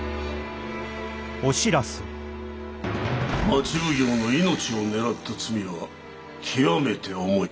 町奉行の命を狙った罪は極めて重い。